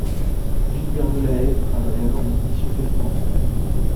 Gilbert Delahaye travaille alors aux éditions Casterman.